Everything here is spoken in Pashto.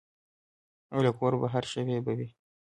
او له کوره بهر شوي به وي.